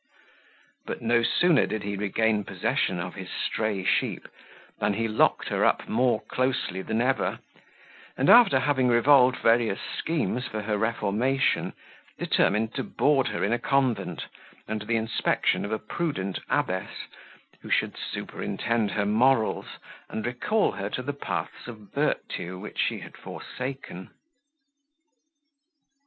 But no sooner did he regain possession of his stray sheep, than he locked her up more closely than ever; and after having revolved various schemes for her reformation, determined to board her in a convent, under the inspection of a prudent abbess, who should superintend her morals, and recall her to the paths of virtue which she had forsaken.